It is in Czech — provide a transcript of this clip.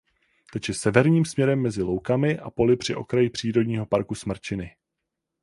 Teče severním směrem mezi loukami a poli při okraji přírodního parku Smrčiny.